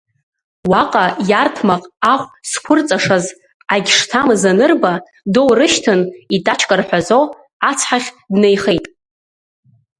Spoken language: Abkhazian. Уаҟа, иарҭмаҟ ахә зқәырҵашаз агьшҭамыз анырба, доурышьҭын, итачка рҳәазо, ацҳахь днеихеит.